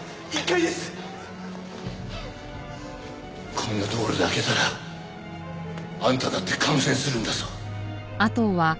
こんな所で開けたらあんただって感染するんだぞ。